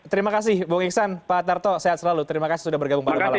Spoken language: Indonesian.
terima kasih bung iksan pak tarto sehat selalu terima kasih sudah bergabung malam malam ini